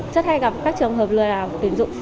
chắc hay gặp các trường hợp lừa đảo của tuyển dụng